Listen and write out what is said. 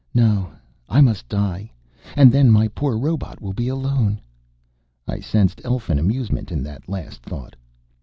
No, I must die. And then my poor robot will be alone." I sensed elfin amusement in that last thought.